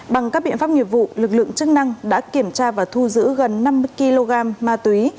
bằng các biện pháp nghiệp vụ lực lượng chức năng đã kiểm tra và thu giữ gần năm mươi kg ma túy